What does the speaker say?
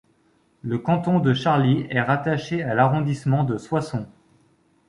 Le canton de Charly est rattaché à l'arrondissement de Soissons.